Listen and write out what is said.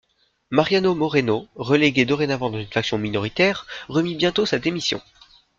Mariano Moreno, relégué dorénavant dans une faction minoritaire, remit bientôt sa démission.